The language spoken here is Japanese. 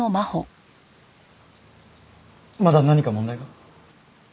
まだ何か問題が？